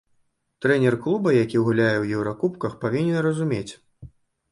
Трэнер клуба, які гуляе ў еўракубках, павінен разумець.